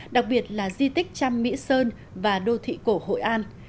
đặc biệt là di tích trăm mỹ sơn và đô thị cổ hội an